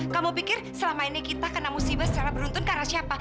kamu pikir selama ini kita kena musibah secara beruntun karena siapa